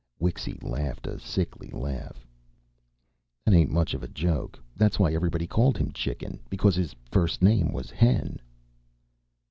Wixy laughed a sickly laugh. "That ain't much of a joke. That's why everybody called him Chicken, because his first name was Hen."